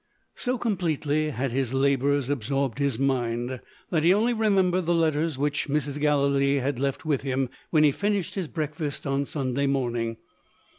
So completely had his labours absorbed his mind that he only remembered the letters which Mrs. Gallilee had left with him, when he finished his breakfast on Sunday morning.